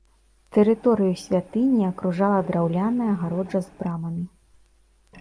Тэрыторыю святыні акружала драўляная агароджа з брамамі.